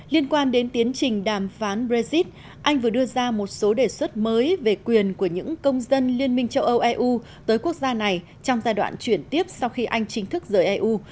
liên quan đến tiến trình đàm phán brexit anh vừa đưa ra một số đề xuất mới về quyền của những công dân liên minh châu âu eu tới quốc gia này trong giai đoạn chuyển tiếp sau khi anh chính thức rời eu